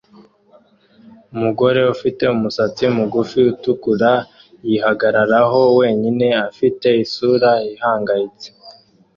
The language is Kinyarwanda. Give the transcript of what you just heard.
Umugore ufite umusatsi mugufi utukura-yihagararaho wenyine afite isura ihangayitse